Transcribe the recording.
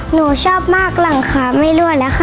หนูชอบมากหลังขาไม่รั่วแล้วค่ะ